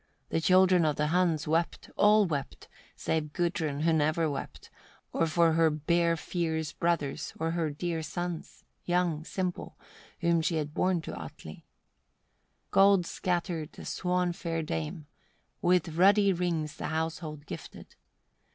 The children of the Huns wept, all wept save Gudrun, who never wept, or for her bear fierce brothers, or her dear sons, young, simple, whom she had borne to Atli. 39. Gold scattered the swan fair dame; with ruddy rings the household gifted.